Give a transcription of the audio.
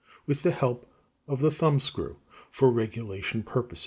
20), with the help of the thumb screw (d) for regulation purposes.